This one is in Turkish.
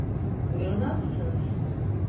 Buyurmaz mısınız?